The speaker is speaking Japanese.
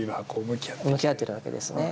向き合ってるわけですね。